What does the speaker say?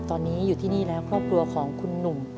ตอนนี้อยู่ที่นี่แล้วครอบครัวของคุณหนุ่ม